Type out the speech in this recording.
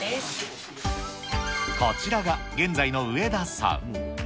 こちらが現在の植田さん。